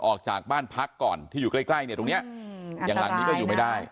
ออกจากบ้านพักก่อนที่อยู่ใกล้เนี่ยตรงนี้อย่างหลังนี้ก็อยู่ไม่ได้